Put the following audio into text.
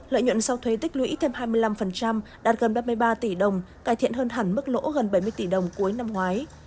lợi nhuận sau thuế tích lũy thêm hai mươi năm đạt gần ba mươi ba tỷ đồng cải thiện hơn hẳn mức lỗ gần bảy mươi tỷ đồng cuối năm ngoái